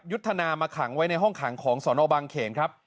ยุทธนามาขังไว้ในห้องขังของสนบางเขนครับ